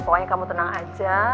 pokoknya kamu tenang aja